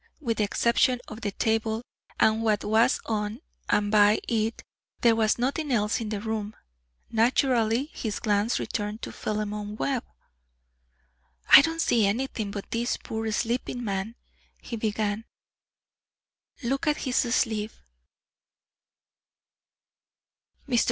With the exception of the table and what was on and by it there was nothing else in the room. Naturally his glance returned to Philemon Webb. "I don't see anything but this poor sleeping man," he began. "Look at his sleeve."